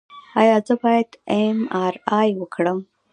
ایا زه باید ایم آر آی وکړم؟